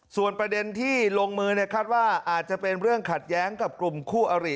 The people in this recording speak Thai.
ส่วนประเด็นที่ลงมือคาดว่าอาจจะเป็นเรื่องขัดแย้งกับกลุ่มคู่อริ